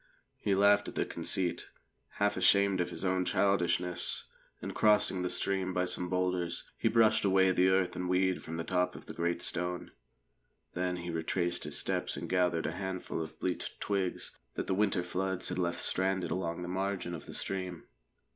He laughed at the conceit, half ashamed of his own childishness, and crossing the stream by some boulders, he brushed away the earth and weed from the top of the great stone. Then he retraced his steps and gathered a handful of bleached twigs that the winter floods had left stranded along the margin of the stream.